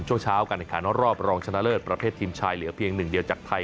ช่วงเช้าการแข่งขันรอบรองชนะเลิศประเภททีมชายเหลือเพียงหนึ่งเดียวจากไทย